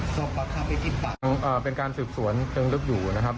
สมบัติค่ะเป็นการสืบสวนเครื่องลึกหยู่นะครับ